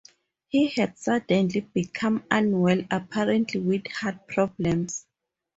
He had suddenly become unwell, apparently with heart problems.